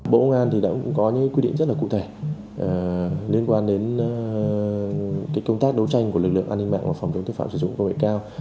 bộ công an thì đã có những quy định rất là cụ thể liên quan đến công tác đấu tranh của lực lượng an ninh mạng và phòng chống tội phạm sử dụng công nghệ cao